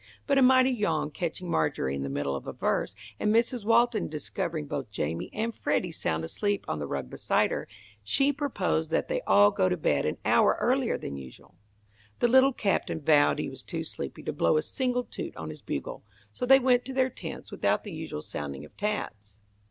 But a mighty yawn catching Margery in the middle of a verse, and Mrs. Walton discovering both Jamie and Freddy sound asleep on the rug beside her, she proposed that they all go to bed an hour earlier than usual. The Little Captain vowed he was too sleepy to blow a single toot on his bugle, so they went to their tents without the usual sounding of taps.